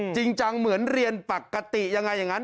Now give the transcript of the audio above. จริงจังเหมือนเรียนปกติยังไงอย่างนั้น